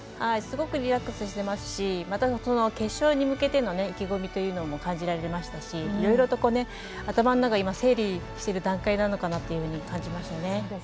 すごくリラックスしてますし決勝に向けての意気込みというのも感じられましたし、いろいろと頭の中整理してる段階なのかなと感じましたね。